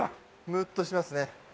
ムッとしますね。